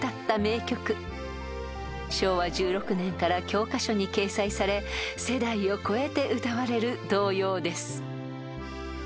［昭和１６年から教科書に掲載され世代を超えて歌われる童謡です］